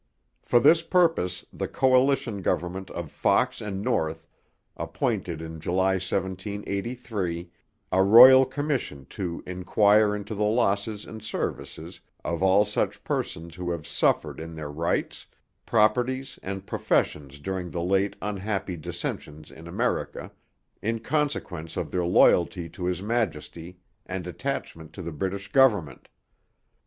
For this purpose the Coalition Government of Fox and North appointed in July 1783 a royal commission 'to inquire into the losses and services of all such persons who have suffered in their rights, properties, and professions during the late unhappy dissensions in America, in consequence of their loyalty to His Majesty and attachment to the British Government.'